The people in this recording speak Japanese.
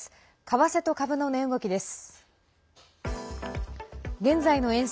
為替と株の値動きです。